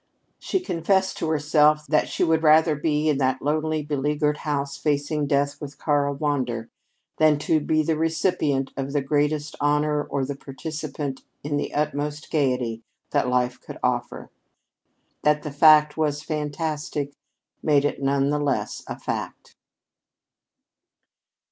She confessed to herself that she would rather be in that lonely beleaguered house facing death with Karl Wander than be the recipient of the greatest honor or the participant in the utmost gayety that life could offer. That the fact was fantastic made it none the less a fact.